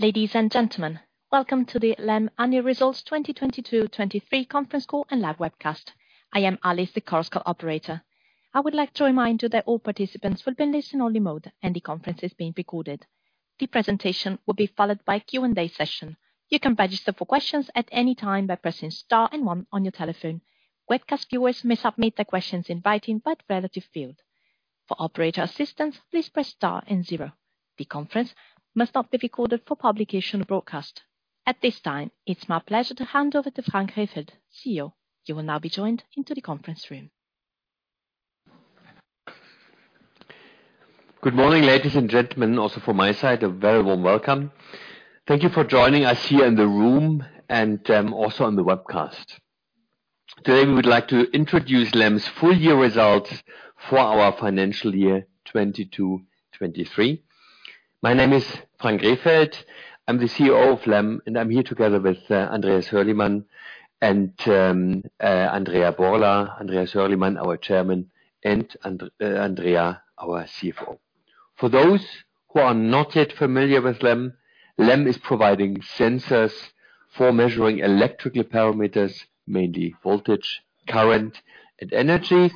Ladies and gentlemen, welcome to the LEM Annual Results 2022/2023 conference call and live webcast. I am Alice, the conference call operator. I would like to remind you that all participants will be in listen only mode, and the conference is being recorded. The presentation will be followed by a Q&A session. You can register for questions at any time by pressing star one on your telephone. Webcast viewers may submit their questions in writing by the relative field. For operator assistance, please press star zero. The conference must not be recorded for publication or broadcast. At this time, it's my pleasure to hand over to Frank Rehfeld, CEO. You will now be joined into the conference room. Good morning, ladies and gentlemen. Also from my side, a very warm welcome. Thank you for joining us here in the room and also on the webcast. Today, we would like to introduce LEM's full year results for our financial year 2022/2023. My name is Frank Rehfeld. I'm the CEO of LEM, and I'm here together with Andreas Hürlimann and Andrea Borla. Andreas Hürlimann, our Chairman, and Andrea, our CFO. For those who are not yet familiar with LEM is providing sensors for measuring electrical parameters, mainly voltage, current, and energy,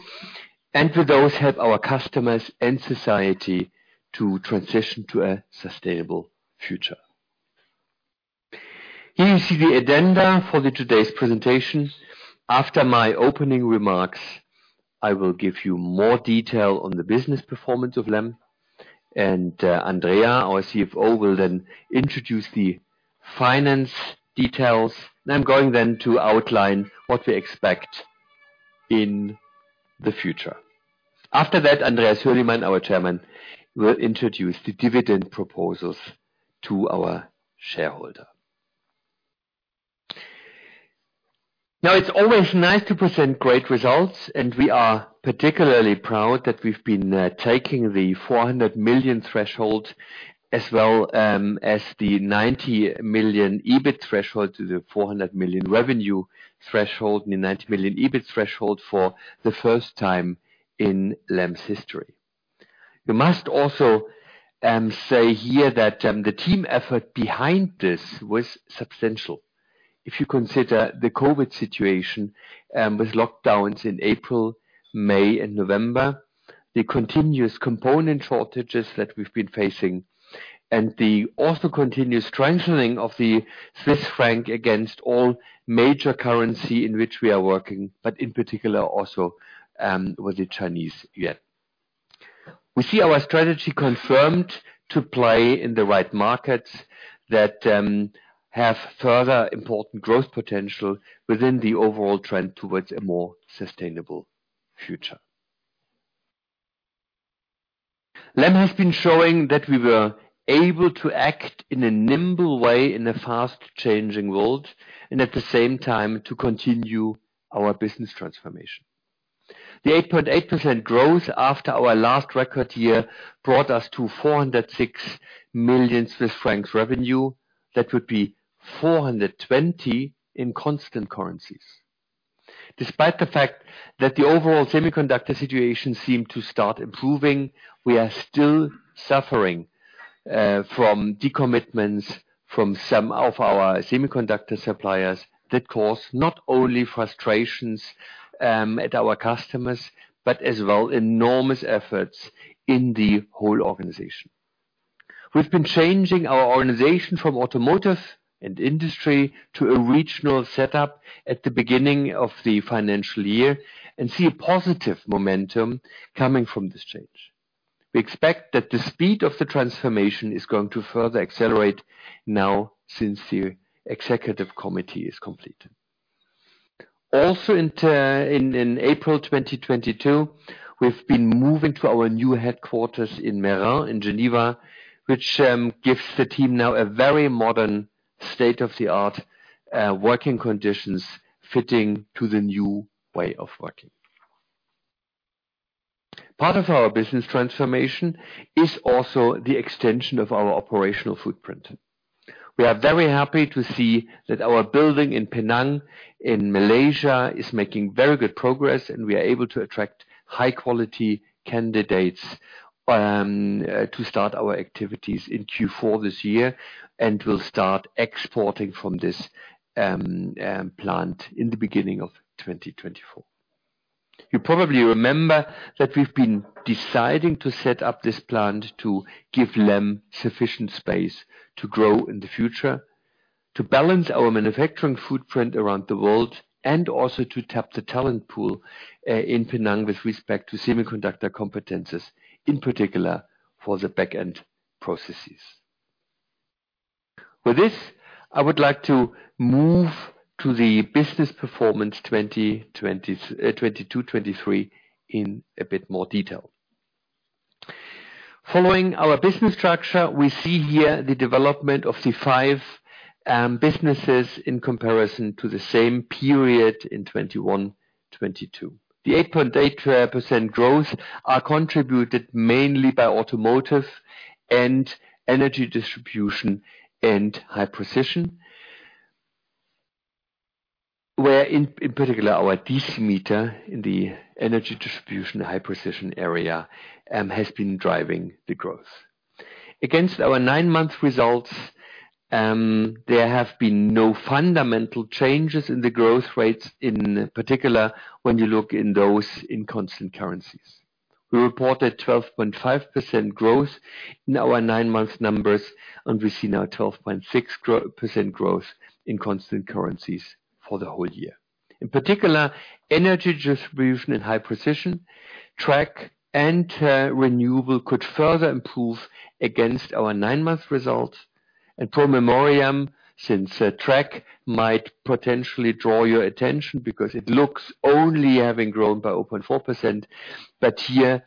and with those, help our customers and society to transition to a sustainable future. Here you see the agenda for the today's presentation. After my opening remarks, I will give you more detail on the business performance of LEM, and Andrea, our CFO, will then introduce the finance details. I'm going to outline what we expect in the future. Andreas Hürlimann, our Chairman, will introduce the dividend proposals to our shareholder. It's always nice to present great results, and we are particularly proud that we've been taking the 400 million threshold as well as the 90 million EBIT threshold to the 400 million revenue threshold and the 90 million EBIT threshold for the first time in LEM's history. You must also say here that the team effort behind this was substantial. If you consider the COVID situation, with lockdowns in April, May, and November, the continuous component shortages that we've been facing and the also continuous strengthening of the Swiss franc against all major currency in which we are working, but in particular also with the Chinese yuan. We see our strategy confirmed to play in the right markets that have further important growth potential within the overall trend towards a more sustainable future. LEM has been showing that we were able to act in a nimble way, in a fast changing world, and at the same time to continue our business transformation. The 8.8% growth after our last record year brought us to 406 million Swiss francs revenue. That would be 420 in constant currencies. Despite the fact that the overall semiconductor situation seemed to start improving, we are still suffering from decommitments from some of our semiconductor suppliers that cause not only frustrations at our customers, but as well, enormous efforts in the whole organization. We've been changing our organization from automotive and industry to a regional setup at the beginning of the financial year and see a positive momentum coming from this change. We expect that the speed of the transformation is going to further accelerate now since the executive committee is completed. Also, in April 2022, we've been moving to our new headquarters in Meyrin, in Geneva, which gives the team now a very modern state-of-the-art working conditions fitting to the new way of working. Part of our business transformation is also the extension of our operational footprint. We are very happy to see that our building in Penang, in Malaysia, is making very good progress. We are able to attract high quality candidates to start our activities in Q4 this year. We'll start exporting from this plant in the beginning of 2024. You probably remember that we've been deciding to set up this plant to give LEM sufficient space to grow in the future, to balance our manufacturing footprint around the world. Also to tap the talent pool in Penang with respect to semiconductor competencies, in particular for the back-end processes. With this, I would like to move to the business performance 2022/2023 in a bit more detail. Following our business structure, we see here the development of the five businesses in comparison to the same period in 2021/2022. The 8.8% growth are contributed mainly by automotive and energy distribution and high precision, where in particular, our DC meter in the energy distribution, high precision area, has been driving the growth. Against our nine-month results, there have been no fundamental changes in the growth rates, in particular, when you look in those in constant currencies. We reported 12.5% growth in our nine-month numbers. We see now 12.6% growth in constant currencies for the whole year. In particular, energy distribution and high precision, track and renewable could further improve against our nine-month results. Pro memoriam, since track might potentially draw your attention because it looks only having grown by 0.4%. Here,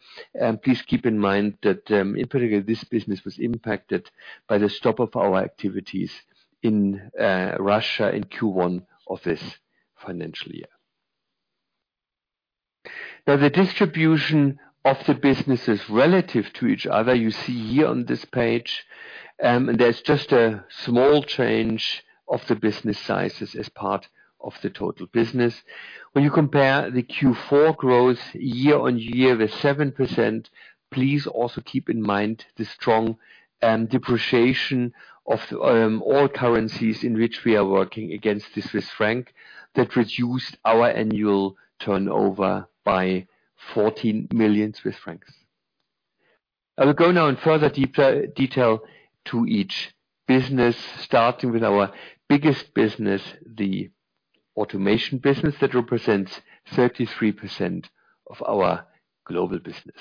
please keep in mind that, in particular, this business was impacted by the stop of our activities in Russia, in Q1 of this financial year. The distribution of the businesses relative to each other, you see here on this page, there's just a small change of the business sizes as part of the total business. When you compare the Q4 growth year-on-year with 7%, please also keep in mind the strong depreciation of all currencies in which we are working against the Swiss franc, that reduced our annual turnover by 14 million Swiss francs. I will go now in further detail to each business, starting with our biggest business, the automation business, that represents 33% of our global business.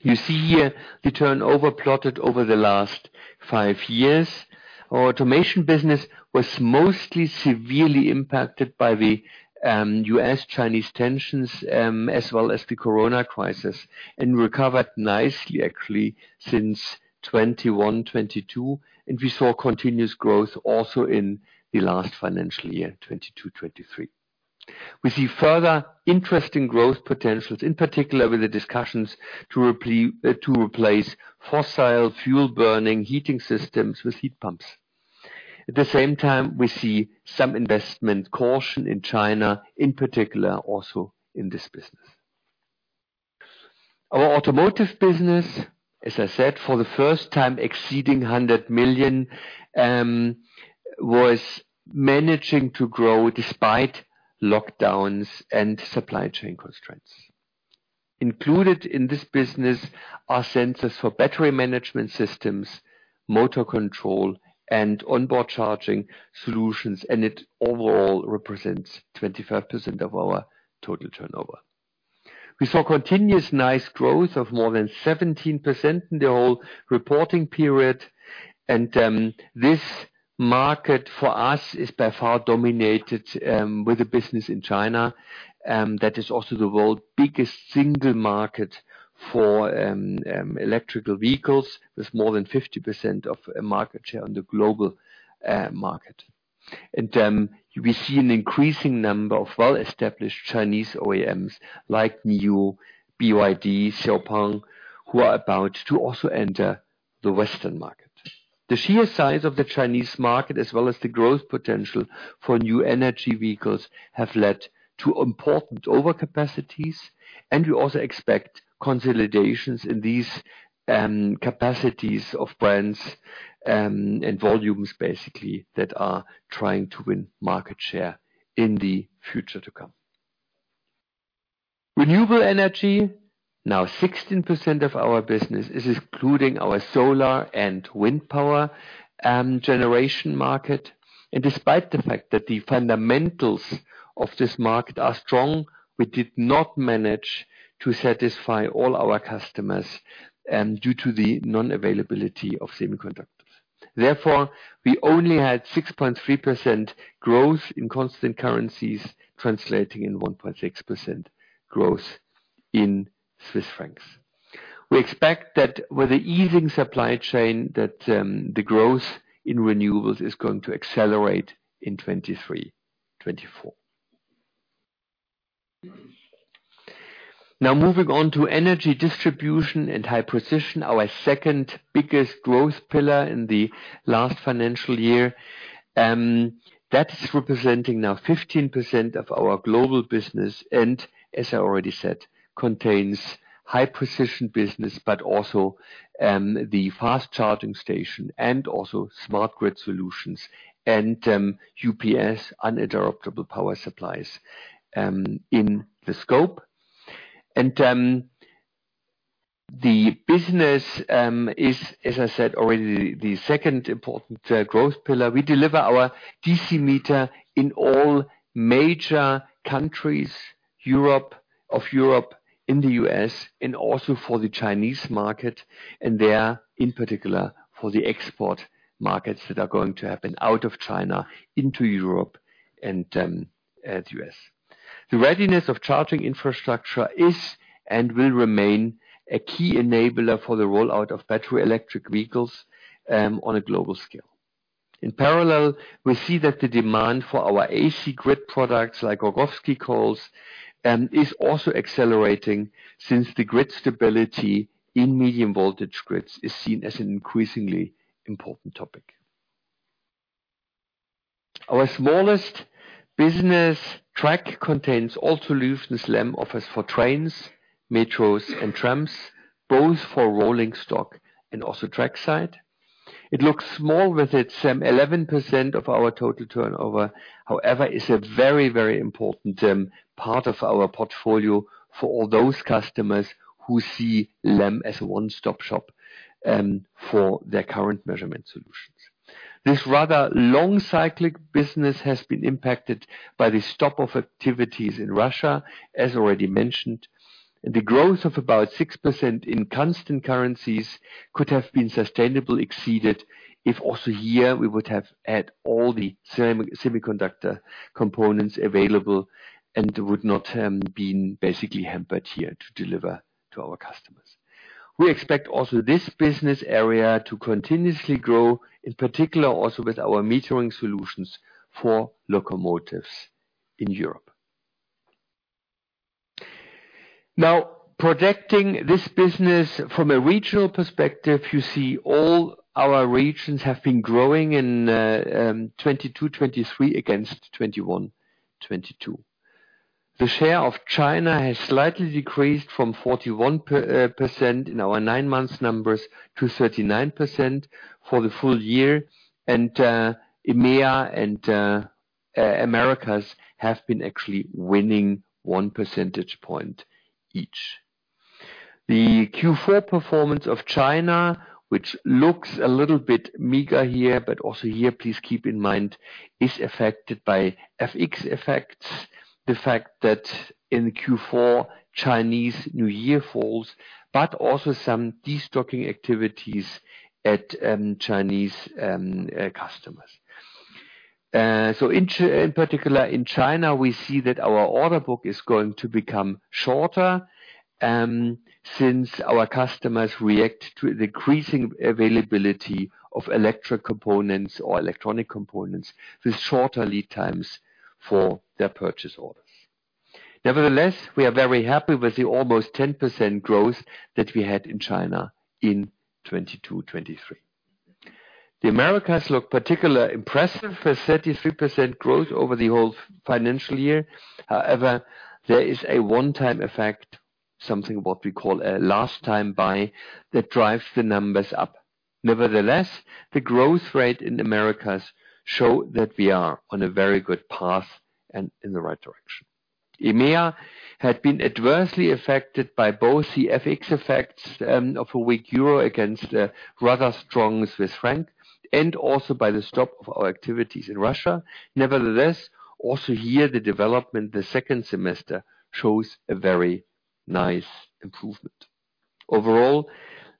You see here, the turnover plotted over the last five years. Our automation business was mostly severely impacted by the US-Chinese tensions, as well as the corona crisis, and recovered nicely, actually, since 2021, 2022. We saw continuous growth also in the last financial year, 2022, 2023. We see further interesting growth potentials, in particular, with the discussions to replace fossil fuel burning heating systems with heat pumps. At the same time, we see some investment caution in China, in particular, also in this business. Our automotive business, as I said, for the first time, exceeding 100 million, was managing to grow despite lockdowns and supply chain constraints. Included in this business are sensors for battery management systems, motor control, and onboard charging solutions, and it overall represents 25% of our total turnover. We saw continuous nice growth of more than 17% in the whole reporting period, and this market for us is by far dominated with a business in China. That is also the world's biggest single market for electrical vehicles, with more than 50% of market share on the global market. We see an increasing number of well-established Chinese OEMs like NIO, BYD, XPeng, who are about to also enter the Western market. The sheer size of the Chinese market, as well as the growth potential for new energy vehicles, have led to important overcapacities, and we also expect consolidations in these capacities of brands and volumes, basically, that are trying to win market share in the future to come. Renewable energy, now 16% of our business, is including our solar and wind power generation market. Despite the fact that the fundamentals of this market are strong, we did not manage to satisfy all our customers due to the non-availability of semiconductors. We only had 6.3% growth in constant currencies, translating in 1.6% growth in CHF. We expect that with the easing supply chain, that the growth in renewables is going to accelerate in 2023, 2024. Moving on to energy distribution and high precision, our second biggest growth pillar in the last financial year. That is representing now 15% of our global business, and as I already said, contains high precision business, but also the fast charging station and also smart grid solutions and UPS, uninterruptible power supplies, in the scope. The business is, as I said already, the second important growth pillar. We deliver our DC meter in all major countries, of Europe, in the U.S., and also for the Chinese market, and there, in particular, for the export markets that are going to happen out of China into Europe and U.S. The readiness of charging infrastructure is and will remain a key enabler for the rollout of battery electric vehicles on a global scale. In parallel, we see that the demand for our AC grid products, like Rogowski coils, and is also accelerating since the grid stability in medium voltage grids is seen as an increasingly important topic. Our smallest business track contains all solutions LEM offers for trains, metros, and trams, both for rolling stock and also track side. It looks small with its 11% of our total turnover. Is a very, very important part of our portfolio for all those customers who see LEM as a one-stop shop for their current measurement solutions. This rather long cyclic business has been impacted by the stop of activities in Russia, as already mentioned. The growth of about 6% in constant currencies could have been sustainably exceeded if also here we would have had all the semiconductor components available, and would not have been basically hampered here to deliver to our customers. We expect also this business area to continuously grow, in particular, also with our metering solutions for locomotives in Europe. Projecting this business from a regional perspective, you see all our regions have been growing in 2022, 2023, against 2021, 2022. The share of China has slightly decreased from 41% in our 9-month numbers, to 39% for the full year. EMEA and Americas have been actually winning 1 percentage point each. The Q4 performance of China, which looks a little bit meager here, but also here, please keep in mind, is affected by FX effects. The fact that in Q4, Chinese New Year falls, but also some de-stocking activities at Chinese customers. In particular, in China, we see that our order book is going to become shorter, since our customers react to a decreasing availability of electric components or electronic components, with shorter lead times for their purchase orders. Nevertheless, we are very happy with the almost 10% growth that we had in China in 2022, 2023. The Americas look particularly impressive, with 33% growth over the whole financial year. However, there is a one-time effect, something what we call a last time buy, that drives the numbers up. Nevertheless, the growth rate in Americas show that we are on a very good path and in the right direction. EMEA had been adversely affected by both the FX effects of a weak euro against a rather strong Swiss franc, and also by the stop of our activities in Russia. Nevertheless, also here, the development, the second semester shows a very nice improvement. Overall,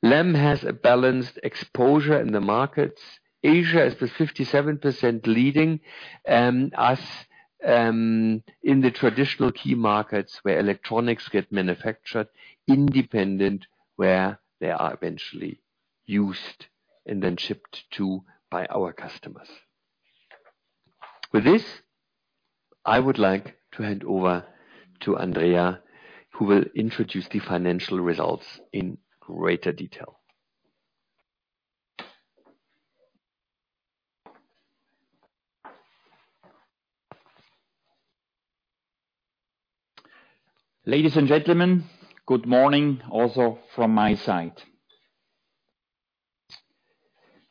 LEM has a balanced exposure in the markets. Asia is the 57% leading us in the traditional key markets, where electronics get manufactured, independent where they are eventually used and then shipped to by our customers. With this, I would like to hand over to Andrea, who will introduce the financial results in greater detail. Ladies and gentlemen, good morning, also from my side.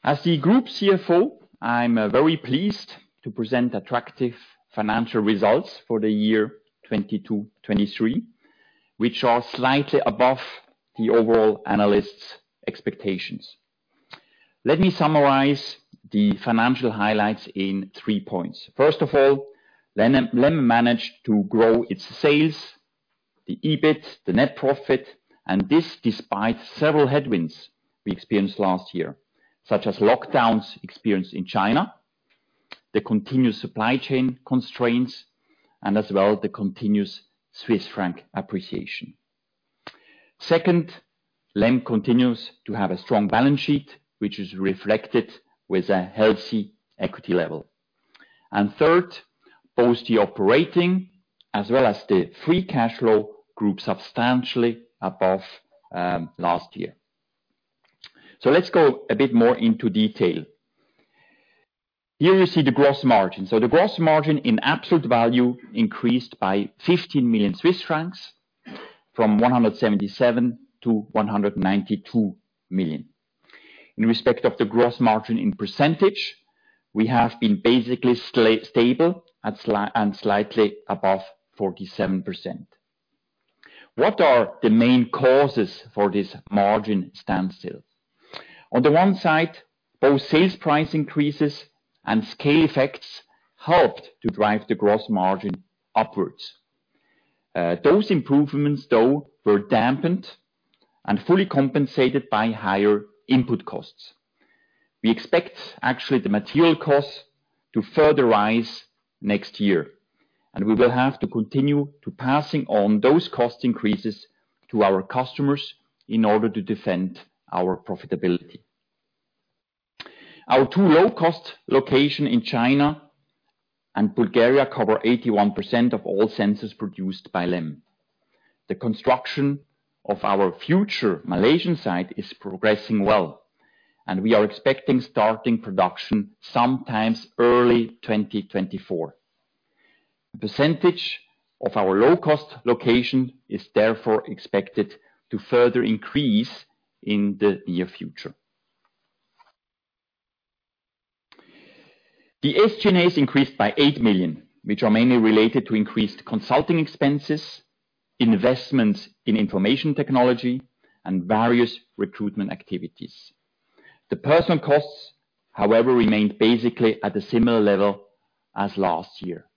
As the group CFO, I'm very pleased to present attractive financial results for the year 2022, 2023, which are slightly above the overall analysts' expectations. Let me summarize the financial highlights in three points. First of all, LEM managed to grow its sales, the EBIT, the net profit, and this despite several headwinds we experienced last year, such as lockdowns experienced in China, the continuous supply chain constraints, and as well, the continuous Swiss franc appreciation. Second, LEM continues to have a strong balance sheet, which is reflected with a healthy equity level. Third, both the operating as well as the free cash flow grew substantially above last year. Let's go a bit more into detail. Here you see the gross margin. The gross margin in absolute value increased by 15 million Swiss francs, from 177 million to 192 million. In respect of the gross margin in percentage, we have been basically stable, at and slightly above 47%. What are the main causes for this margin standstill? On the one side, both sales price increases and scale effects helped to drive the gross margin upwards. Those improvements, though, were dampened and fully compensated by higher input costs. We expect actually the material costs to further rise next year, and we will have to continue to passing on those cost increases to our customers in order to defend our profitability. Our two low-cost location in China and Bulgaria cover 81% of all sensors produced by LEM. The construction of our future Malaysian site is progressing well, and we are expecting starting production sometimes early 2024. The percentage of our low-cost location is therefore expected to further increase in the near future. The SG&As increased by 8 million, which are mainly related to increased consulting expenses, investments in information technology, and various recruitment activities. The personal costs, however, remained basically at a similar level as last year.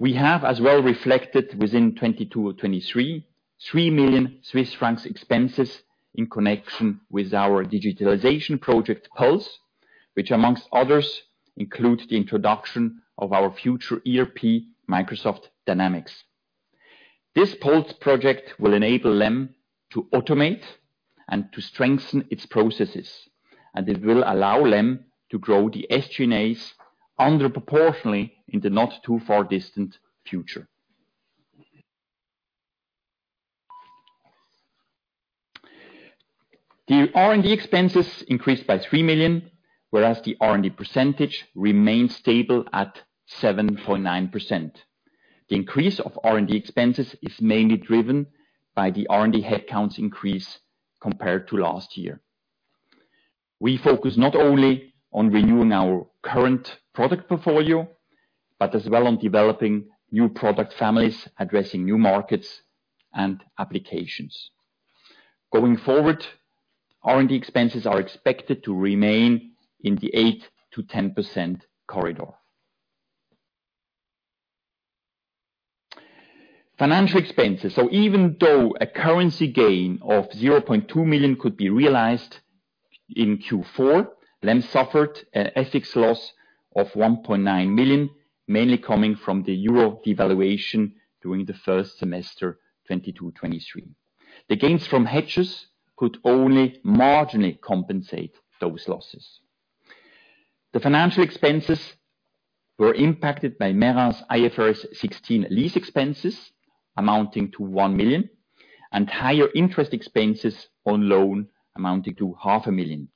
We have, as well, reflected within 2022 or 2023, 3 million Swiss francs expenses in connection with our digitalization project, Pulse, which among others, includes the introduction of our future ERP, Microsoft Dynamics. This Pulse project will enable LEM to automate and to strengthen its processes, and it will allow LEM to grow the SG&As under proportionally in the not-too-far distant future. The R&D expenses increased by 3 million, whereas the R&D percentage remained stable at 7.9%. The increase of R&D expenses is mainly driven by the R&D headcount increase compared to last year. We focus not only on renewing our current product portfolio, but as well on developing new product families, addressing new markets and applications. Going forward, R&D expenses are expected to remain in the 8%-10% corridor. Financial expenses. Even though a currency gain of 0.2 million could be realized in Q4, LEM suffered an ethics loss of 1.9 million, mainly coming from the Euro devaluation during the first semester, 2022-2023. The gains from hedges could only marginally compensate those losses. The financial expenses were impacted by Mera's IFRS sixteen lease expenses amounting to 1 million, and higher interest expenses on loan amounting to CHF half a million.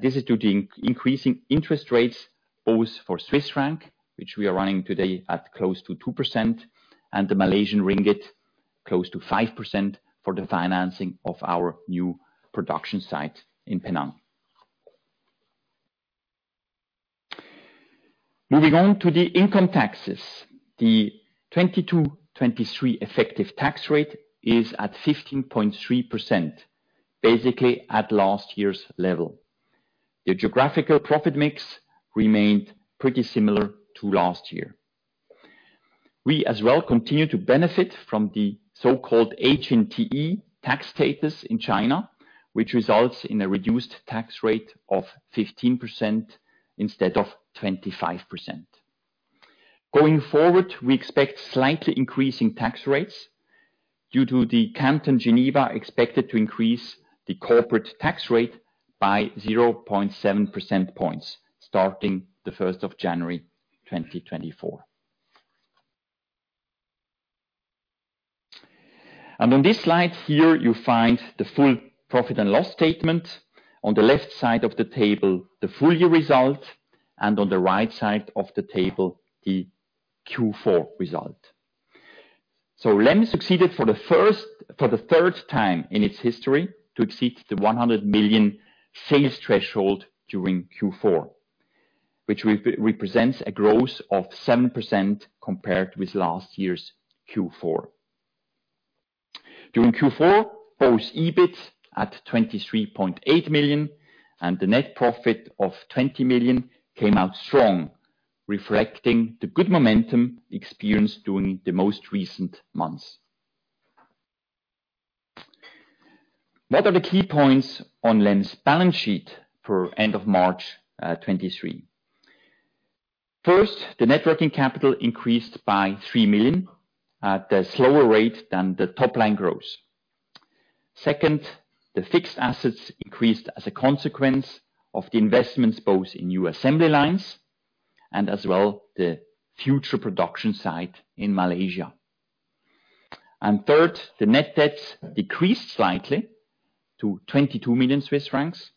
This is due to the increasing interest rates, both for Swiss franc, which we are running today at close to 2%, and the Malaysian ringgit, close to 5% for the financing of our new production site in Penang. Moving on to the income taxes. The 2022, 2023 effective tax rate is at 15.3%, basically at last year's level. The geographical profit mix remained pretty similar to last year. We, as well, continue to benefit from the so-called HNTE tax status in China, which results in a reduced tax rate of 15% instead of 25%. Going forward, we expect slightly increasing tax rates due to the canton Geneva, expected to increase the corporate tax rate by 0.7 percentage points, starting the 1st of January 2024. On this slide here, you find the full profit and loss statement. On the left side of the table, the full year result, and on the right side of the table, the Q4 result. LEM succeeded for the third time in its history, to exceed the 100 million sales threshold during Q4, which represents a growth of 7% compared with last year's Q4. During Q4, both EBIT at 23.8 million and the net profit of 20 million came out strong, reflecting the good momentum experienced during the most recent months. What are the key points on LEM's balance sheet for end of March, 2023? First, the networking capital increased by 3 million at a slower rate than the top-line growth. Second, the fixed assets increased as a consequence of the investments, both in new assembly lines and as well, the future production site in Malaysia. Third, the net debts decreased slightly to 22 million Swiss francs,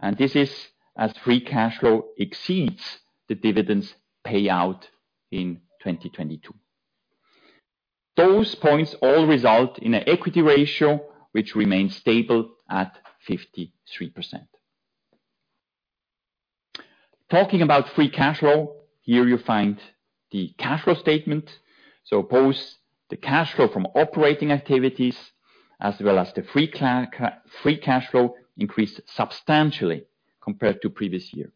and this is as free cash flow exceeds the dividends payout in 2022. Those points all result in an equity ratio, which remains stable at 53%. Talking about free cash flow, here you find the cash flow statement. Both the cash flow from operating activities, as well as the free cash flow, increased substantially compared to previous year.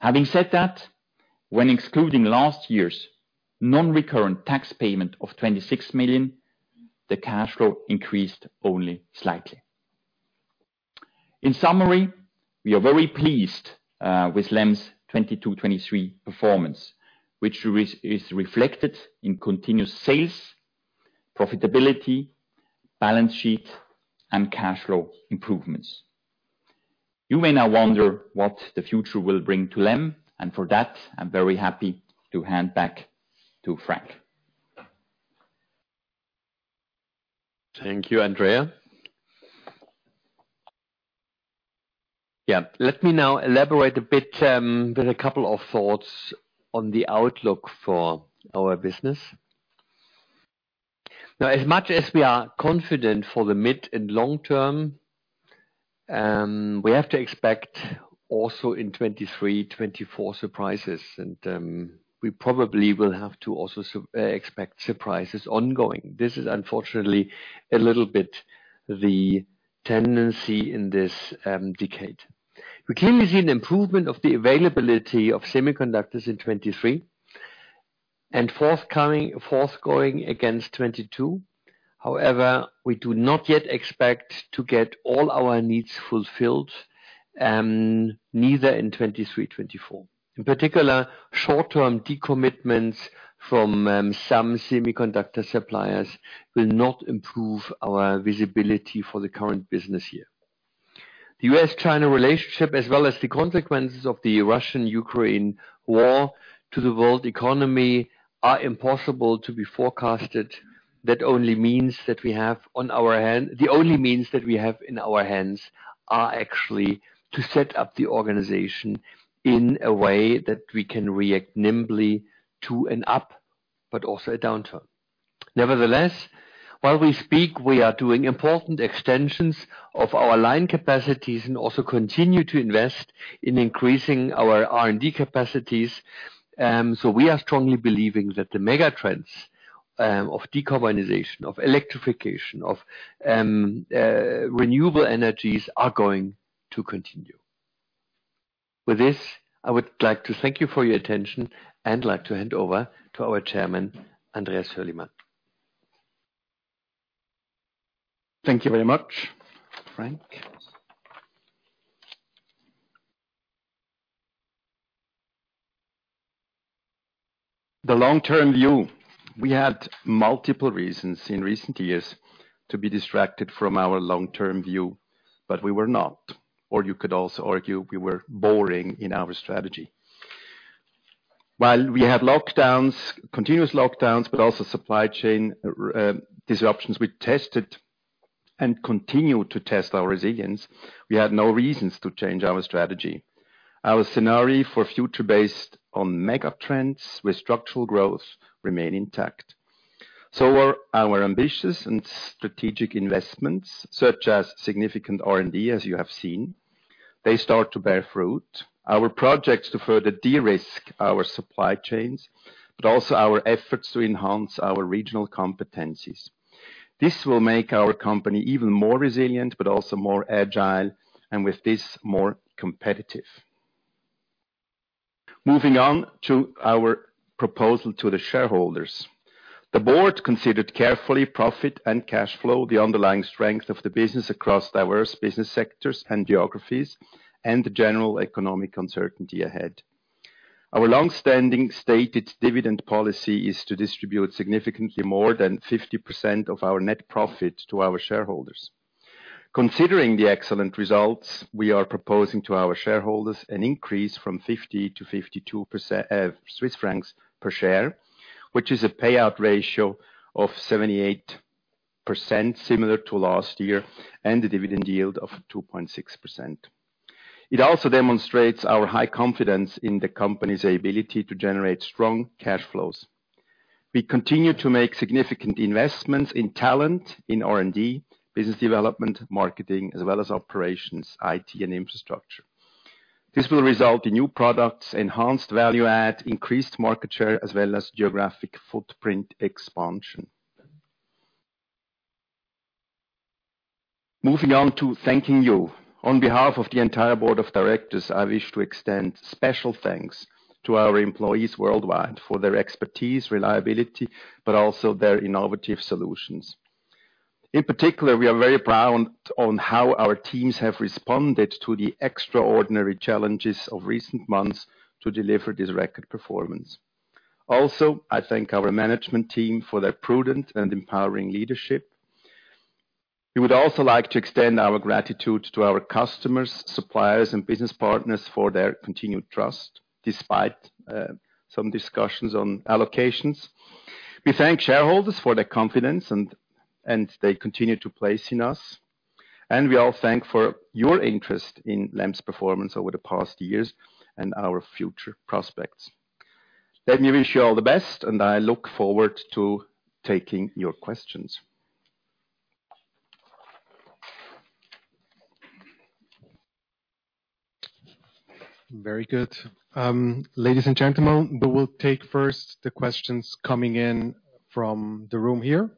Having said that, when excluding last year's non-recurrent tax payment of 26 million, the cash flow increased only slightly. In summary, we are very pleased with LEM's 2022, 2023 performance, which is reflected in continuous sales-... profitability, balance sheet, and cash flow improvements. You may now wonder what the future will bring to LEM. For that, I'm very happy to hand back to Frank. Thank you, Andrea. Yeah, let me now elaborate a bit with a couple of thoughts on the outlook for our business. As much as we are confident for the mid and long term, we have to expect also in 23, 24 surprises, we probably will have to also expect surprises ongoing. This is unfortunately a little bit the tendency in this decade. We clearly see an improvement of the availability of semiconductors in 23, forthcoming, forthgoing against 22. However, we do not yet expect to get all our needs fulfilled, neither in 23, 24. In particular, short-term decommitments from some semiconductor suppliers will not improve our visibility for the current business year. The US-China relationship, as well as the consequences of the Russian-Ukraine war to the world economy, are impossible to be forecasted. The only means that we have in our hands are actually to set up the organization in a way that we can react nimbly to an up, but also a downturn. While we speak, we are doing important extensions of our line capacities and also continue to invest in increasing our R&D capacities. We are strongly believing that the mega trends, of decarbonization, of electrification, of renewable energies are going to continue. With this, I would like to thank you for your attention, and like to hand over to our Chairman, Andreas Hürlimann. Thank you very much, Frank. The long-term view, we had multiple reasons in recent years to be distracted from our long-term view, but we were not, or you could also argue we were boring in our strategy. While we had lockdowns, continuous lockdowns, but also supply chain disruptions, we tested and continued to test our resilience. We had no reasons to change our strategy. Our scenario for future based on mega trends with structural growth remain intact. Our ambitious and strategic investments, such as significant R&D, as you have seen, they start to bear fruit. Our projects to further de-risk our supply chains, but also our efforts to enhance our regional competencies. This will make our company even more resilient, but also more agile, and with this, more competitive. Moving on to our proposal to the shareholders. The board considered carefully profit and cash flow, the underlying strength of the business across diverse business sectors and geographies, and the general economic uncertainty ahead. Our long-standing stated dividend policy is to distribute significantly more than 50% of our net profit to our shareholders. Considering the excellent results, we are proposing to our shareholders an increase from 50% CHF to 52% CHF per share, which is a payout ratio of 78%, similar to last year, and a dividend yield of 2.6%. It also demonstrates our high confidence in the company's ability to generate strong cash flows. We continue to make significant investments in talent, in R&D, business development, marketing, as well as operations, IT, and infrastructure. This will result in new products, enhanced value add, increased market share, as well as geographic footprint expansion. Moving on to thanking you. On behalf of the entire board of directors, I wish to extend special thanks to our employees worldwide for their expertise, reliability, but also their innovative solutions. In particular, we are very proud on how our teams have responded to the extraordinary challenges of recent months to deliver this record performance. Also, I thank our management team for their prudent and empowering leadership. We would also like to extend our gratitude to our customers, suppliers, and business partners for their continued trust, despite some discussions on allocations. We thank shareholders for their confidence and they continue to place in us, and we all thank for your interest in LEM's performance over the past years and our future prospects. Let me wish you all the best, and I look forward to taking your questions. Very good. ladies and gentlemen, we will take first the questions coming in from the room here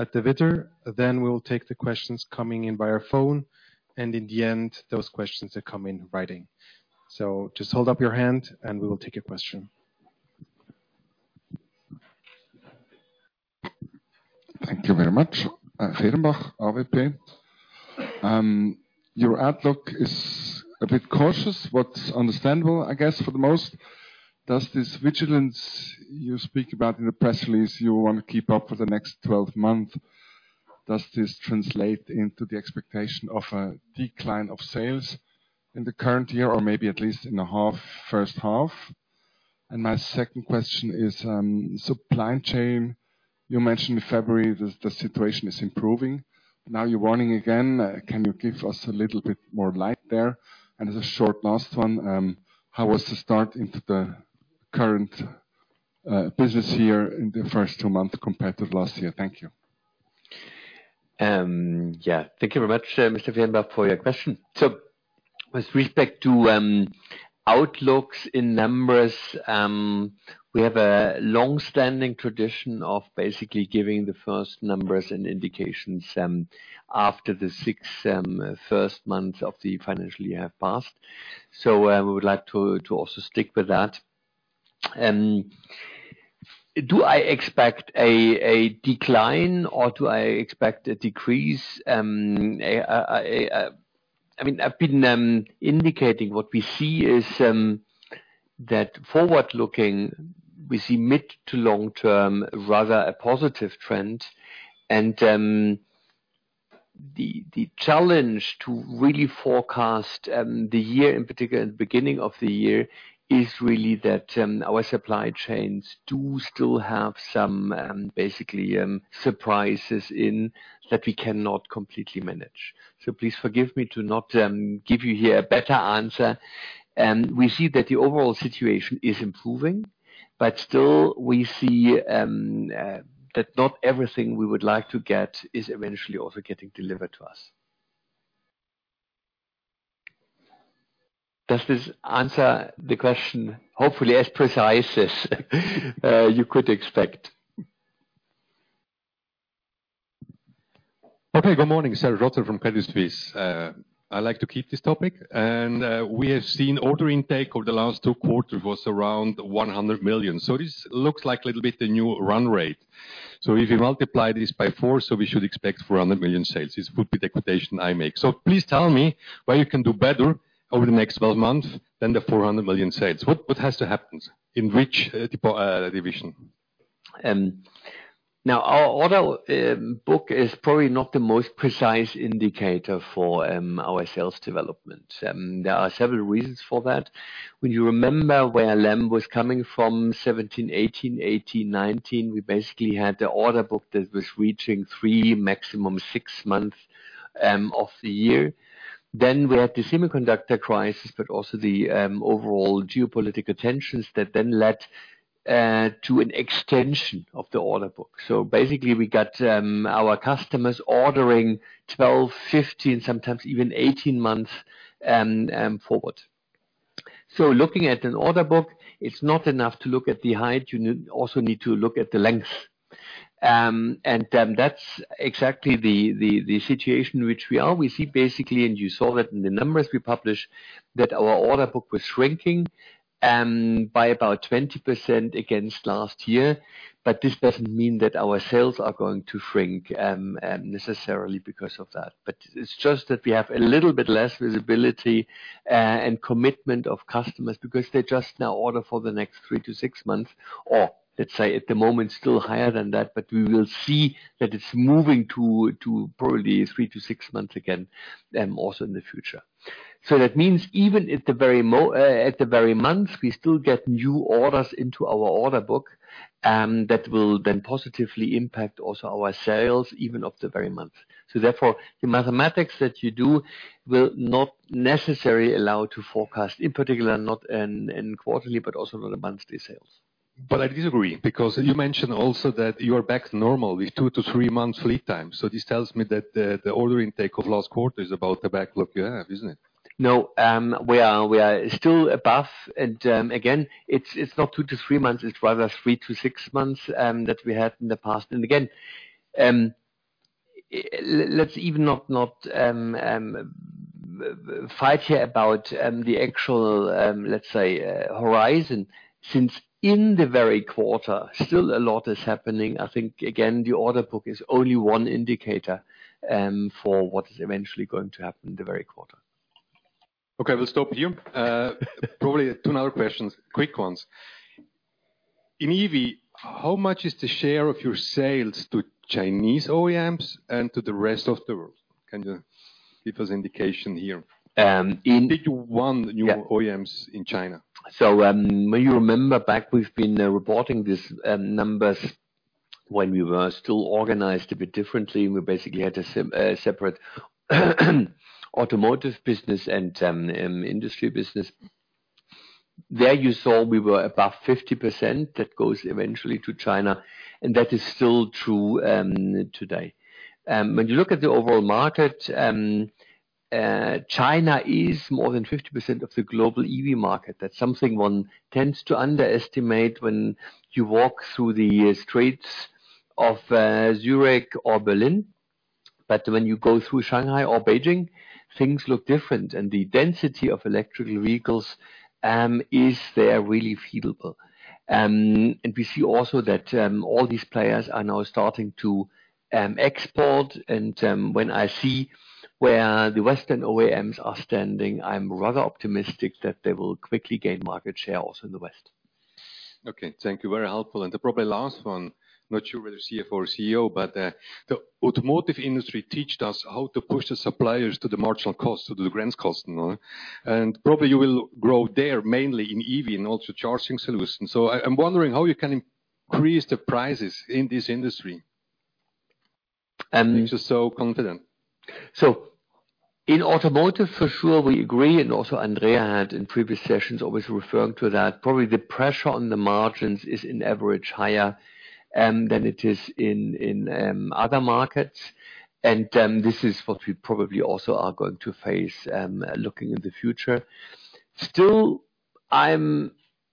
at the Widder. We will take the questions coming in via phone, and in the end, those questions that come in writing. Just hold up your hand, and we will take your question. Thank you very much. Fehrenbach, AWP?... Your outlook is a bit cautious, what's understandable, I guess, for the most. Does this vigilance you speak about in the press release, you want to keep up for the next 12 months, does this translate into the expectation of a decline of sales in the current year, or maybe at least in the half, first half? My second question is, supply chain. You mentioned in February that the situation is improving. Now you're warning again. Can you give us a little bit more light there? As a short last one, how was the start into the current business year in the first two months compared to last year? Thank you. Yeah, thank you very much, Mr. Venberg, for your question. With respect to outlooks in numbers, we have a long-standing tradition of basically giving the first numbers and indications after the six first months of the financial year have passed. We would like to also stick with that. Do I expect a decline or do I expect a decrease? I mean, I've been indicating what we see is that forward-looking, we see mid to long term, rather a positive trend, and the challenge to really forecast the year, in particular, the beginning of the year, is really that our supply chains do still have some basically surprises in that we cannot completely manage. Please forgive me to not give you here a better answer. We see that the overall situation is improving, but still we see that not everything we would like to get is eventually also getting delivered to us. Does this answer the question? Hopefully, as precise as you could expect. Okay, good morning, Serge Rotter from Credit Suisse. I like to keep this topic, we have seen order intake over the last two quarters was around 100 million. This looks like a little bit the new run rate. If you multiply this by four, so we should expect 400 million sales. This would be the quotation I make. Please tell me why you can do better over the next 12 months than the 400 million sales. What has to happen, in which division? Now, our order book is probably not the most precise indicator for our sales development. There are several reasons for that. When you remember where LEM was coming from, 2017, 2018, 2019, we basically had the order book that was reaching 3, maximum 6 months of the year. We had the semiconductor crisis, but also the overall geopolitical tensions that led to an extension of the order book. Basically, we got our customers ordering 12, 15, sometimes even 18 months forward. Looking at an order book, it's not enough to look at the height, you also need to look at the length. That's exactly the situation in which we are. We see, basically, and you saw that in the numbers we published, that our order book was shrinking, by about 20% against last year. This doesn't mean that our sales are going to shrink, necessarily because of that. It's just that we have a little bit less visibility, and commitment of customers because they just now order for the next 3-6 months, or let's say at the moment, still higher than that, but we will see that it's moving to probably 3-6 months again, also in the future. That means even at the very month, we still get new orders into our order book, that will then positively impact also our sales, even of the very month. Therefore, the mathematics that you do will not necessarily allow to forecast, in particular, not in quarterly, but also not monthly sales. I disagree, because you mentioned also that you are back to normal with 2 to 3 months lead time. This tells me that the ordering intake of last quarter is about the backlog you have, isn't it? No, we are still above. Again, it's not 2-3 months, it's rather 3-6 months, that we had in the past. Again, let's even not fight here about the actual, let's say, horizon, since in the very quarter, still a lot is happening. I think, again, the order book is only one indicator, for what is eventually going to happen in the very quarter. We'll stop here. Probably 2 another questions, quick ones. In EV, how much is the share of your sales to Chinese OEMs and to the rest of the world? Can you give us indication here? Um, in- Did you Yeah... new OEMs in China? May you remember back, we've been reporting these numbers when we were still organized a bit differently, we basically had a separate, automotive business and industry business. There you saw we were above 50%, that goes eventually to China, and that is still true today. When you look at the overall market, China is more than 50% of the global EV market. That's something one tends to underestimate when you walk through the streets of Zurich or Berlin. When you go through Shanghai or Beijing, things look different, and the density of electrical vehicles is there really feasible. We see also that all these players are now starting to export, and when I see where the Western OEMs are standing, I'm rather optimistic that they will quickly gain market share also in the West. Okay. Thank you, very helpful. Probably last one, not sure whether CFO or CEO, but the automotive industry taught us how to push the suppliers to the marginal cost, to the grand cost, you know? Probably you will grow there mainly in EV and also charging solutions. I'm wondering how you can increase the prices in this industry, and you're so confident. In automotive, for sure, we agree, and also Andrea had in previous sessions, always referred to that. Probably the pressure on the margins is in average higher than it is in other markets. This is what we probably also are going to face looking in the future. Still, I'm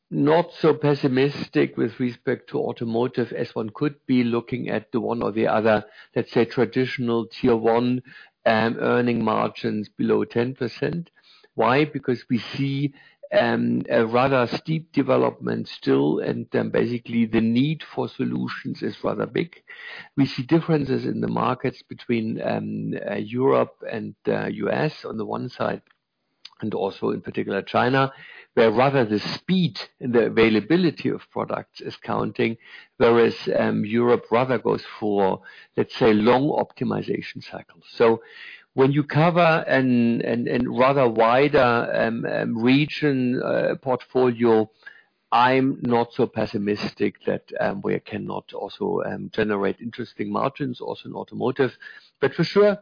not so pessimistic with respect to automotive, as one could be looking at the one or the other, let's say, traditional Tier 1, earning margins below 10%. Why? Because we see a rather steep development still, and then basically the need for solutions is rather big. We see differences in the markets between Europe and US on the one side, and also in particular, China, where rather the speed and the availability of products is counting, whereas Europe rather goes for, let's say, long optimization cycles. When you cover and rather wider region portfolio, I'm not so pessimistic that we cannot also generate interesting margins also in automotive. For sure,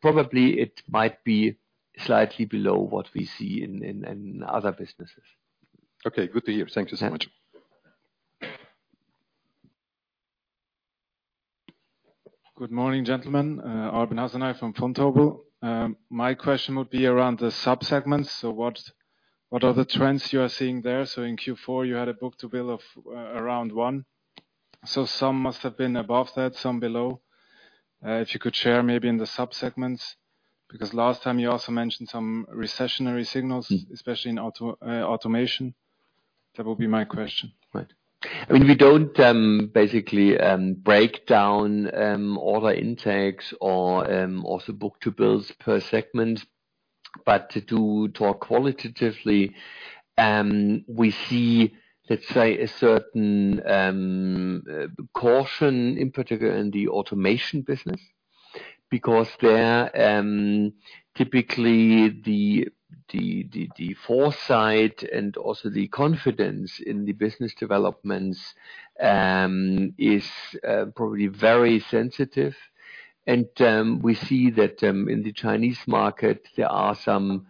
probably it might be slightly below what we see in other businesses. Okay, good to hear. Thank you so much. Yeah. Good morning, gentlemen. Arben Hasanaj from Vontobel. My question would be around the subsegments. What are the trends you are seeing there? In Q4, you had a book-to-bill of around 1, so some must have been above that, some below. If you could share maybe in the subsegments, because last time you also mentioned some recessionary signals- Mm. especially in auto, automation. That would be my question. Right. I mean, we don't basically break down order intakes or or the book-to-bills per segment, but to talk qualitatively, we see, let's say, a certain caution, in particular in the automation business. Because there, typically, the foresight and also the confidence in the business developments is probably very sensitive. We see that in the Chinese market, there are some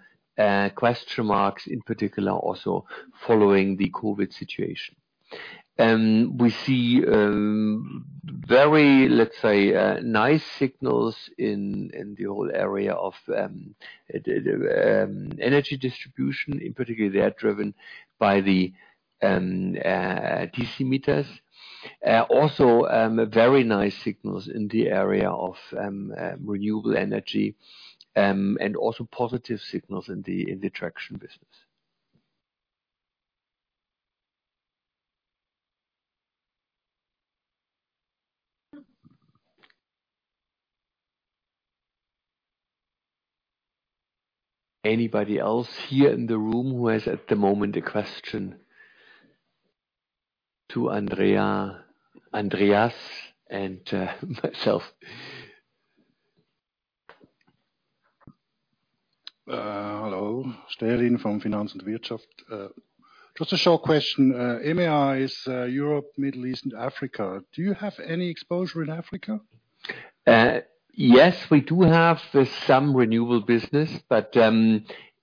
question marks, in particular, also following the COVID situation. We see very, let's say, nice signals in the whole area of energy distribution. In particular, they are driven by the DC meters. Very nice signals in the area of renewable energy, and also positive signals in the traction business. Anybody else here in the room who has, at the moment, a question to Andrea, Andreas, and myself? Hello. Sterin from Finanz und Wirtschaft. Just a short question. AMI is Europe, Middle East, and Africa. Do you have any exposure in Africa? Yes, we do have some renewable business, but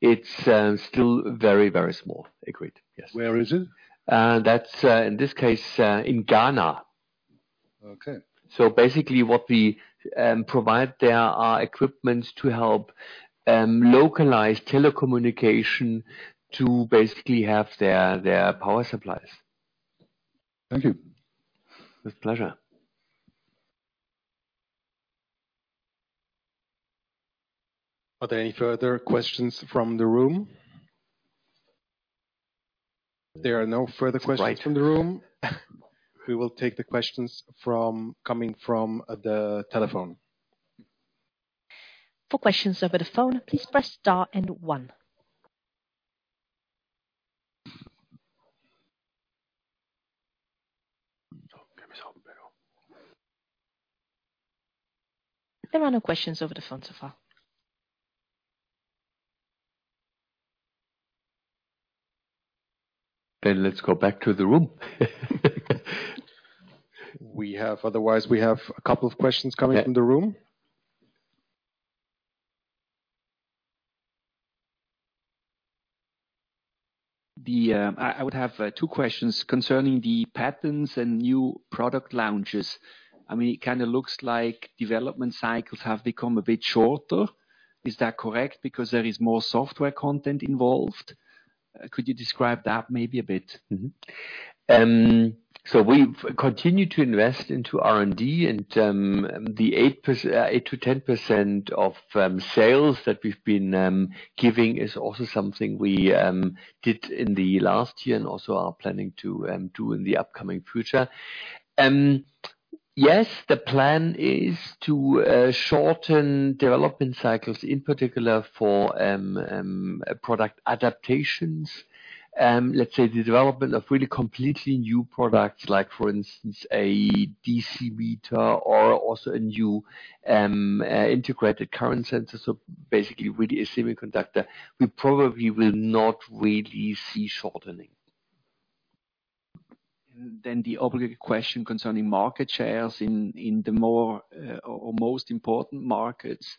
it's still very, very small. Agreed, yes. Where is it? That's in this case in Ghana. Okay. Basically what we provide there are equipments to help localize telecommunication to basically have their power supplies. Thank you. With pleasure. Are there any further questions from the room? There are no further questions. Great. from the room. We will take the questions coming from the telephone. For questions over the phone, please press star and one. There are no questions over the phone so far. Let's go back to the room. Otherwise, we have a couple of questions coming from the room. Yeah. I would have two questions concerning the patents and new product launches. I mean, it kind of looks like development cycles have become a bit shorter. Is that correct, because there is more software content involved? Could you describe that maybe a bit? We've continued to invest into R&D, and the 8%, 8%-10% of sales that we've been giving is also something we did in the last year and also are planning to do in the upcoming future. The plan is to shorten development cycles, in particular for product adaptations. Let's say the development of really completely new products, like for instance, a DC meter or also a new integrated current sensor. Basically with a semiconductor, we probably will not really see shortening. The obligatory question concerning market shares in the more, or most important markets.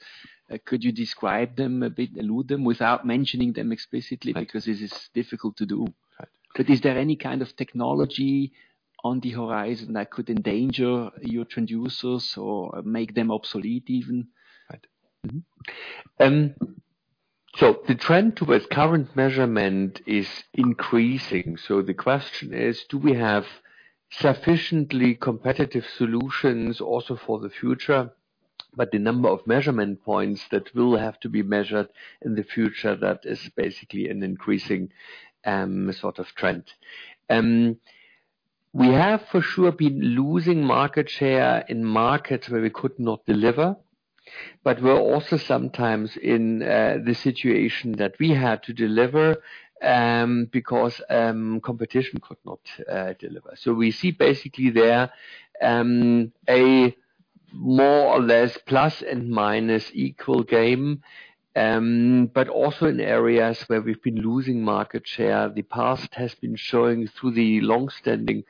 Could you describe them a bit, allude them without mentioning them explicitly? Right. This is difficult to do. Right. Is there any kind of technology on the horizon that could endanger your transducers or make them obsolete, even? Right. The trend towards current measurement is increasing. The question is: do we have sufficiently competitive solutions also for the future? The number of measurement points that will have to be measured in the future, that is basically an increasing sort of trend. We have for sure been losing market share in markets where we could not deliver, but we're also sometimes in the situation that we had to deliver because competition could not deliver. We see basically there a more or less plus and minus equal game. But also in areas where we've been losing market share, the past has been showing through the long-standing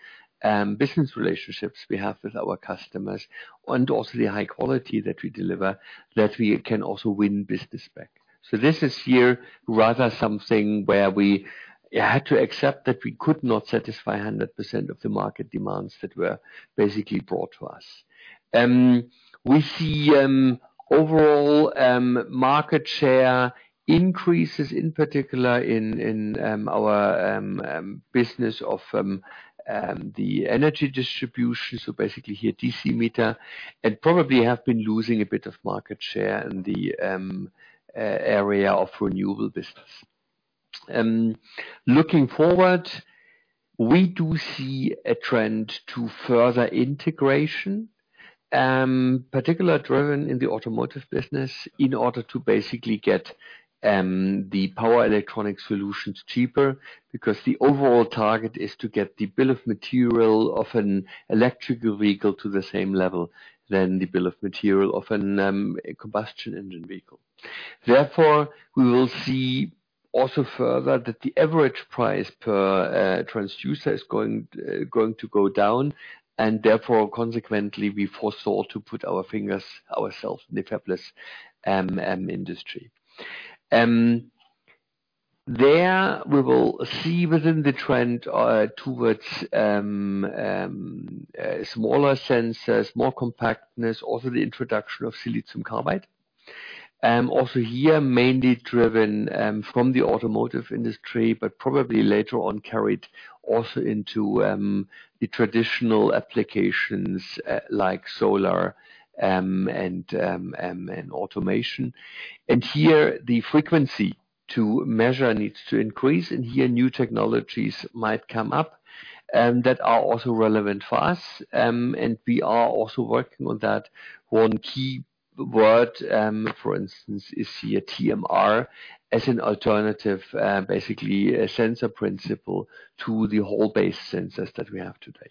business relationships we have with our customers, and also the high quality that we deliver, that we can also win business back. This is here rather something where we had to accept that we could not satisfy 100% of the market demands that were basically brought to us. We see overall market share increases, in particular in our business of the energy distribution, so basically here DC meter, and probably have been losing a bit of market share in the area of renewable business. Looking forward, we do see a trend to further integration, particularly driven in the automotive business, in order to basically get the power electronic solutions cheaper. Because the overall target is to get the bill of material of an electrical vehicle to the same level than the bill of material of an a combustion engine vehicle. Therefore, we will see also further that the average price per transducer is going to go down, and therefore, consequently, we foresaw to put our fingers ourselves in the fabless industry. There we will see within the trend towards smaller sensors, more compactness, also the introduction of silicon carbide. Also here, mainly driven from the automotive industry, but probably later on carried also into the traditional applications, like solar, and automation. Here, the frequency to measure needs to increase, and here new technologies might come up that are also relevant for us. We are also working on that. One key word, for instance, is here TMR, as an alternative, basically a sensor principle to the whole base sensors that we have today.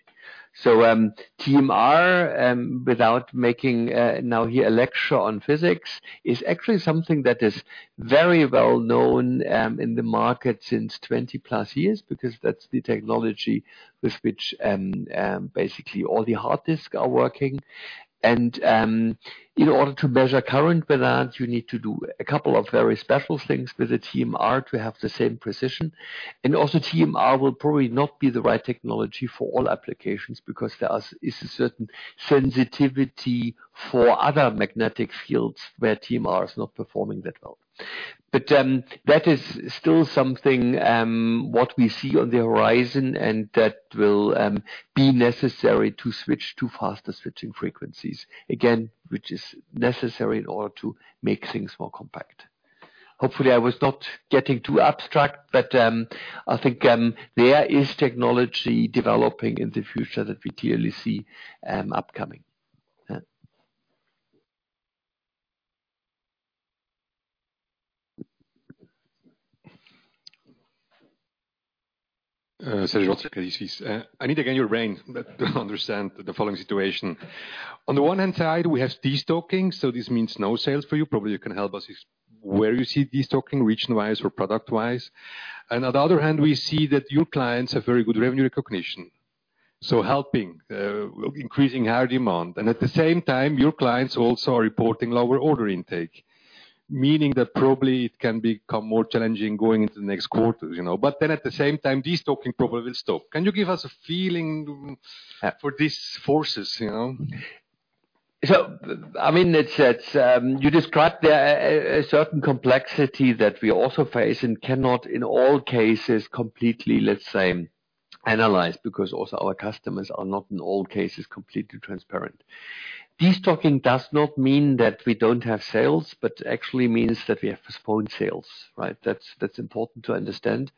TMR, without making now here a lecture on physics, is actually something that is very well known in the market since 20-plus years, because that's the technology with which basically all the hard disk are working. In order to measure current balance, you need to do a couple of very special things with the TMR to have the same precision. Also, TMR will probably not be the right technology for all applications, because there is a certain sensitivity for other magnetic fields where TMR is not performing that well. That is still something what we see on the horizon, and that will be necessary to switch to faster switching frequencies, again, which is necessary in order to make things more compact. Hopefully, I was not getting too abstract, but, I think, there is technology developing in the future that we clearly see, upcoming. Yeah. I need to gain your brain to understand the following situation. On the one hand side, we have destocking, so this means no sales for you. Probably you can help us, is where you see destocking, region-wise or product-wise? On the other hand, we see that your clients have very good revenue recognition, so helping increasing higher demand. At the same time, your clients also are reporting lower order intake, meaning that probably it can become more challenging going into the next quarters, you know? At the same time, destocking probably will stop. Can you give us a feeling for these forces, you know? I mean, it's, you described there a certain complexity that we also face and cannot, in all cases, completely, let's say, analyze, because also our customers are not, in all cases, completely transparent. Destocking does not mean that we don't have sales, but actually means that we have postponed sales, right? That's important to understand.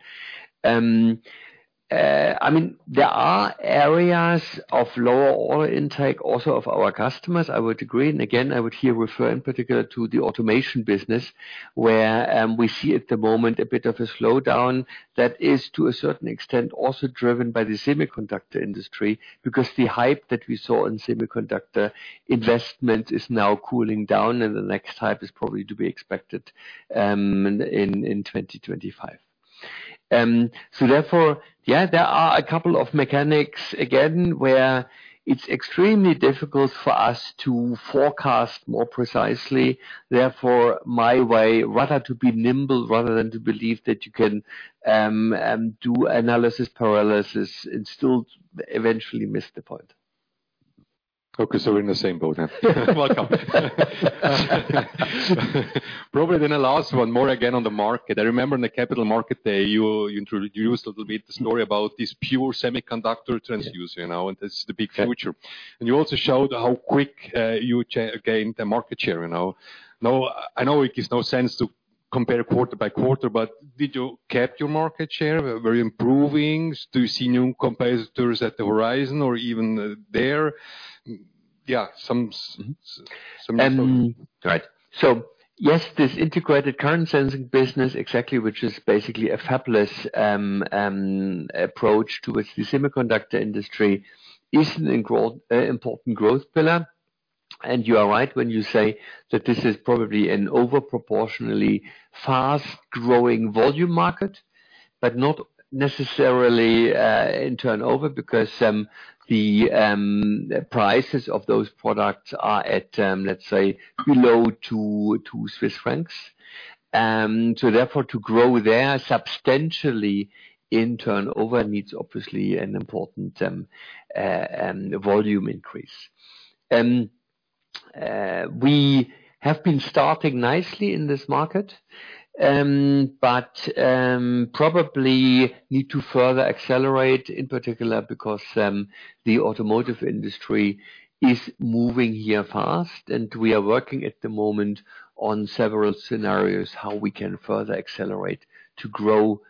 I mean, there are areas of lower order intake, also of our customers, I would agree. And again, I would here refer in particular to the automation business, where, we see at the moment a bit of a slowdown that is, to a certain extent, also driven by the semiconductor industry. Because the hype that we saw in semiconductor investment is now cooling down, and the next hype is probably to be expected, in 2025. Therefore, yeah, there are a couple of mechanics, again, where it's extremely difficult for us to forecast more precisely. Therefore, my way, rather to be nimble rather than to believe that you can do analysis paralysis and still eventually miss the point. Okay, we're in the same boat, huh? Welcome. Probably the last one, more again on the market. I remember in the capital market there, you used a little bit the story about this pure semiconductor transducer, now, and this is the big future. Yeah. You also showed how quick you gained the market share, you know? I know it gives no sense to compare quarter by quarter, but did you kept your market share? Were you improving? Do you see new competitors at the horizon or even there? Right. Yes, this integrated current sensing business exactly, which is basically a fabless approach towards the semiconductor industry, is an important growth pillar. You are right when you say that this is probably an over proportionally fast-growing volume market, but not necessarily in turnover. Because the prices of those products are at, let's say, below 2 Swiss francs. Therefore, to grow there substantially in turnover needs, obviously, an important volume increase. We have been starting nicely in this market, but probably need to further accelerate, in particular, because the automotive industry is moving here fast. We are working at the moment on several scenarios, how we can further accelerate to grow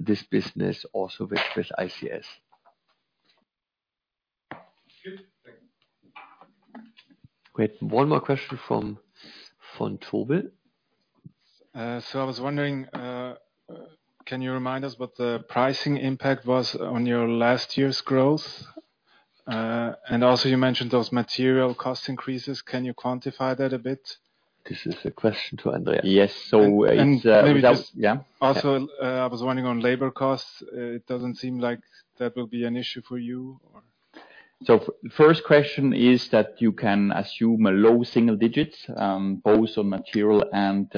this business also with ICS. Good. Thank you. We have one more question from Vontobel. I was wondering, can you remind us what the pricing impact was on your last year's growth? You mentioned those material cost increases. Can you quantify that a bit? This is a question to Andrea. Yes. it's, Maybe. Yeah. I was wondering on labor costs. It doesn't seem like that will be an issue for you, or? First question is that you can assume a low single digits, both on material and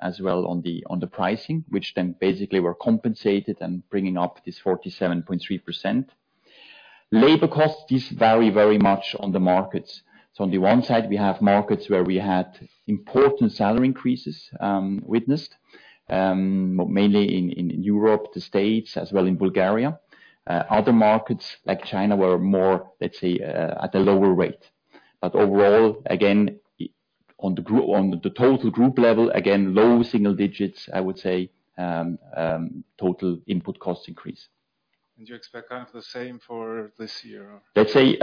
as well on the pricing, which then basically were compensated and bringing up this 47.3%. Labor costs, these vary very much on the markets. On the one side, we have markets where we had important salary increases, witnessed mainly in Europe, the States, as well in Bulgaria. Other markets like China, were more, let's say, at a lower rate. Overall, again, on the total group level, again, low single digits, I would say, total input cost increase. You expect kind of the same for this year? Let's say,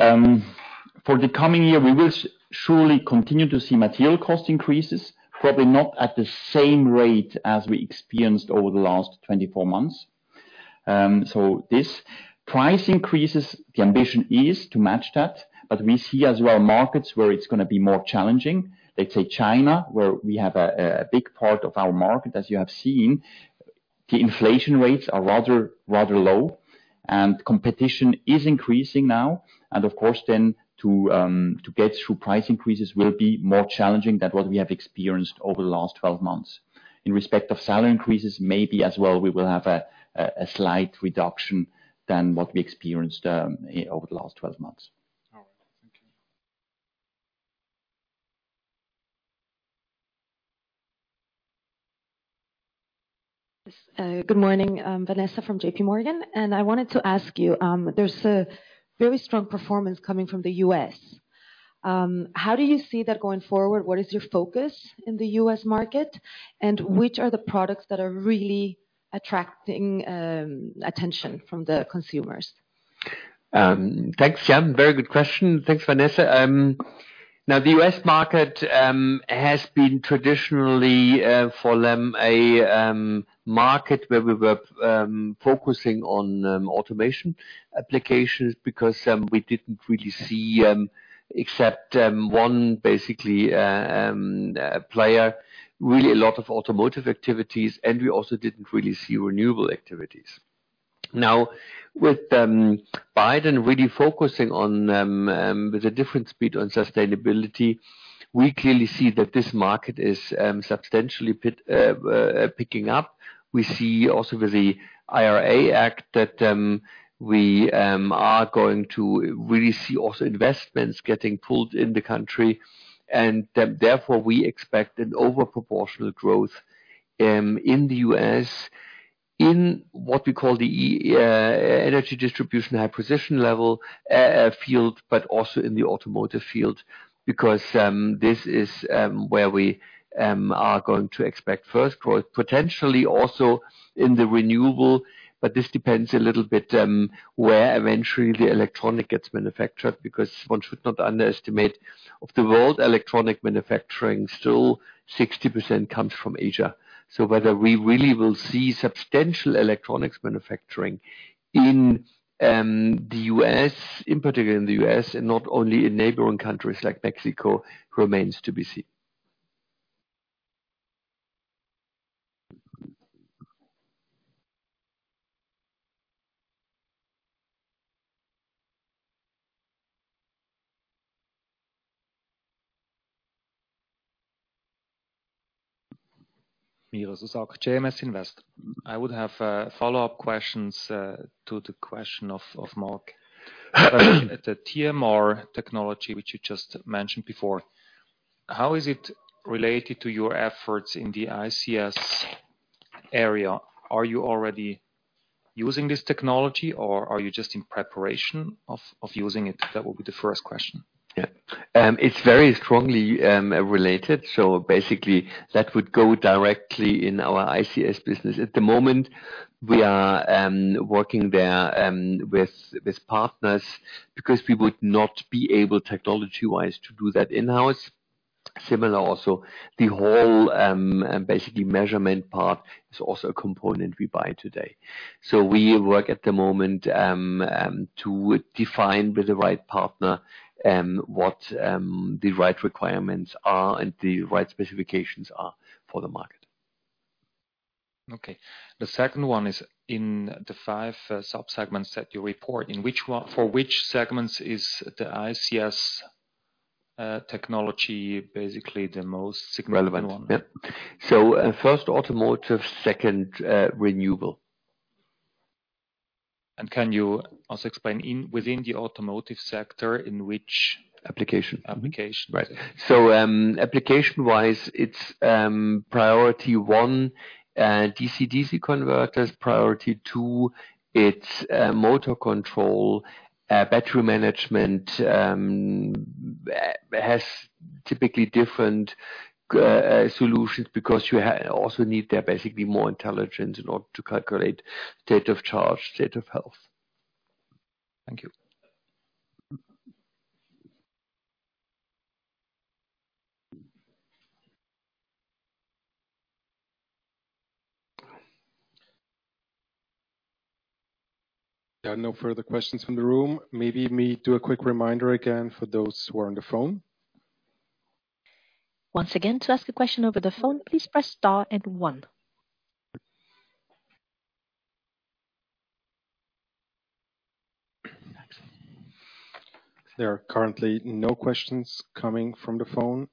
for the coming year, we will surely continue to see material cost increases, probably not at the same rate as we experienced over the last 24 months. This price increases, the ambition is to match that, but we see as well, markets where it's gonna be more challenging. Let's say China, where we have a big part of our market, as you have seen. The inflation rates are rather low, and competition is increasing now. Of course, then to get through price increases will be more challenging than what we have experienced over the last 12 months. In respect of salary increases, maybe as well, we will have a slight reduction than what we experienced over the last 12 months. All right. Thank you. Good morning, Vanessa from JPMorgan. I wanted to ask you, there's a very strong performance coming from the U.S. How do you see that going forward? What is your focus in the U.S. market? Which are the products that are really attracting attention from the consumers? Thanks, yeah, very good question. Thanks, Vanessa. The U.S. market has been traditionally for them, a market where we were focusing on automation applications, because we didn't really see except one, basically, player, really a lot of automotive activities, and we also didn't really see renewable activities. With Biden really focusing on with a different speed on sustainability, we clearly see that this market is substantially picking up. We see also with the IRA Act that we are going to really see also investments getting pulled in the country, and therefore, we expect an over proportional growth in the U.S., in what we call the e-energy distribution, high-precision level field, but also in the automotive field. This is where we are going to expect first growth, potentially also in the renewable, but this depends a little bit where eventually the electronic gets manufactured, because one should not underestimate, of the world electronic manufacturing, still 60% comes from Asia. Whether we really will see substantial electronics manufacturing in the U.S., in particular in the U.S., and not only in neighboring countries like Mexico, remains to be seen. I would have follow-up questions to the question of Mark. The TMR technology, which you just mentioned before, how is it related to your efforts in the ICS area? Are you already using this technology, or are you just in preparation of using it? That will be the first question. It's very strongly related, so basically that would go directly in our ICS business. At the moment, we are working there with partners, because we would not be able, technology-wise, to do that in-house. Similar also, the whole basically measurement part is also a component we buy today. We work at the moment to define with the right partner what the right requirements are and the right specifications are for the market. Okay. The second one is, in the five subsegments that you report, for which segments is the ICS technology basically the most significant one? Relevant. Yep. First, automotive, second, renewable. Can you also explain within the automotive sector, in which? Application application? Right. application-wise, it's priority 1, DC-DC converters. Priority 2, it's motor control. Battery management has typically different solutions, because you also need there, basically, more intelligence in order to calculate state of charge, state of health. Thank you. There are no further questions from the room. Maybe me do a quick reminder again for those who are on the phone. Once again, to ask a question over the phone, please press star and one. There are currently no questions coming from the phone.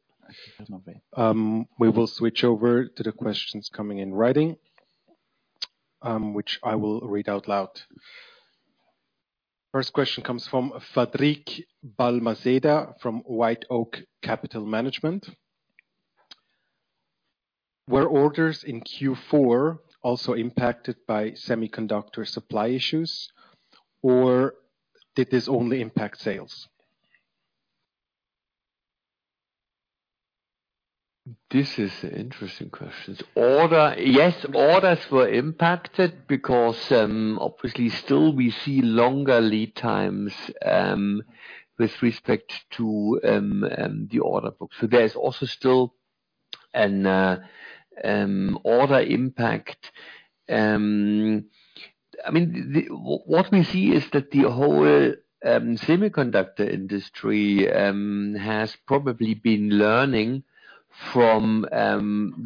There's nothing. We will switch over to the questions coming in writing, which I will read out loud. First question comes from Fadrique Balmaseda, from White Oak Capital Management: "Were orders in Q4 also impacted by semiconductor supply issues, or did this only impact sales? This is an interesting question. Yes, orders were impacted because obviously still we see longer lead times with respect to the order book. There is also still an order impact. I mean, what we see is that the whole semiconductor industry has probably been learning from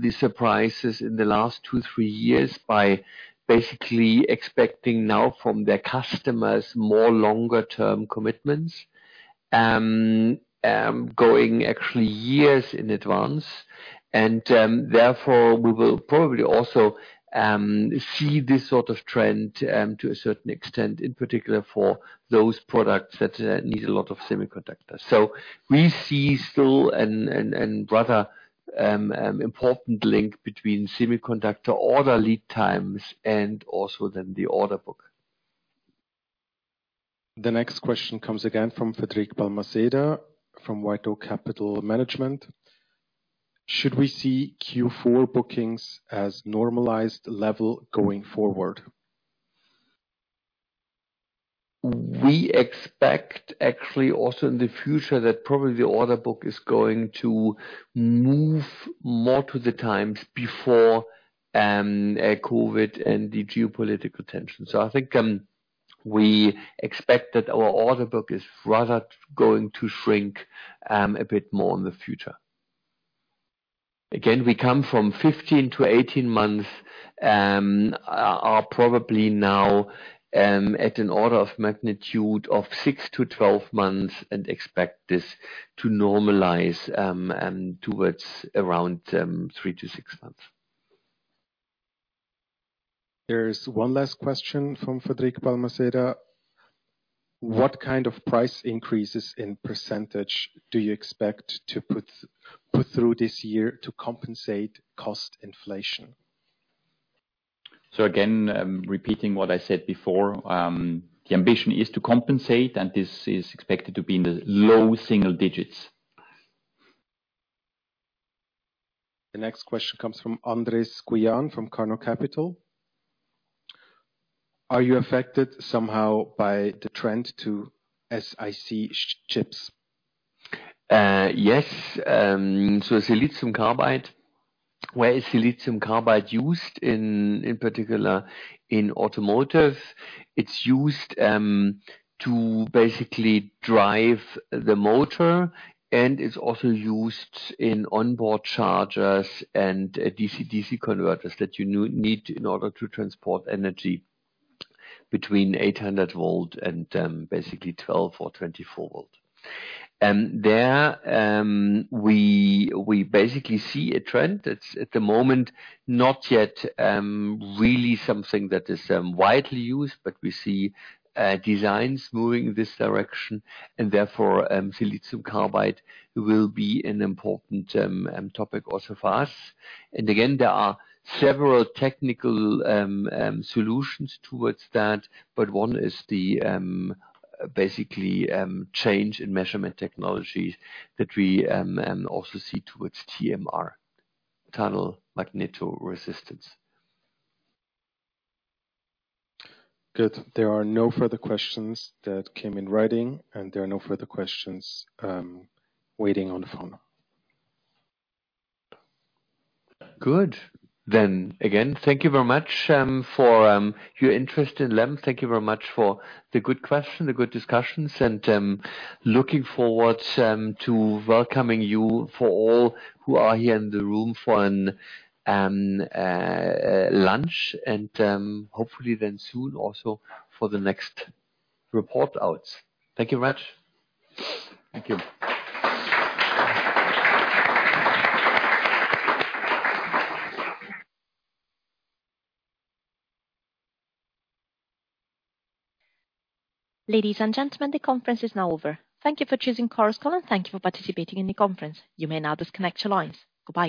the surprises in the last 2, 3 years by basically expecting now from their customers more longer term commitments going actually years in advance. Therefore, we will probably also see this sort of trend to a certain extent, in particular, for those products that need a lot of semiconductors. We see still an rather important link between semiconductor order lead times and also then the order book. The next question comes again from Fadrique Balmaseda, from White Oak Capital Management: "Should we see Q4 bookings as normalized level going forward? We expect actually also in the future, that probably the order book is going to move more to the times before, COVID and the geopolitical tension. I think, we expect that our order book is rather going to shrink a bit more in the future. Again, we come from 15-18 months, are probably now at an order of magnitude of 6-12 months, and expect this to normalize towards around 3-6 months. There's one last question from Fadrique Balmaseda. What kind of price increases in percentage do you expect to put through this year to compensate cost inflation? Again, repeating what I said before, the ambition is to compensate, and this is expected to be in the low single digits. The next question comes from Andreas Gujan, from Carnot Capital. Are you affected somehow by the trend to SIC chips? Yes. Silicon carbide, where is silicon carbide used in particular in automotive? It's used to basically drive the motor, and it's also used in onboard chargers and DC-DC converters that you need in order to transport energy between 800 volt and basically 12 or 24 volt. There, we basically see a trend that's, at the moment, not yet really something that is widely used, but we see designs moving this direction, and therefore, silicon carbide will be an important topic also for us. Again, there are several technical solutions towards that, but one is the basically change in measurement technologies that we also see towards TMR, tunnel magneto resistance. Good. There are no further questions that came in writing. There are no further questions waiting on the phone. Good. Again, thank you very much for your interest in LEM. Thank you very much for the good questions, the good discussions. Looking forward to welcoming you for all who are here in the room for a lunch and hopefully then soon also for the next report out. Thank you very much. Thank you. Ladies and gentlemen, the conference is now over. Thank you for choosing Chorus Call, and thank you for participating in the conference. You may now disconnect your lines. Goodbye.